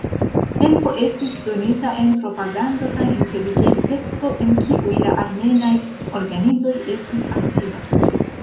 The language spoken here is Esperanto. Helpo estis donita en propagando kaj inteligenteco en kiuj la armenaj organizoj estis aktivaj.